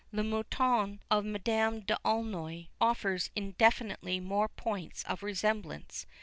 Le Mouton of Madame d'Aulnoy offers infinitely more points of resemblance.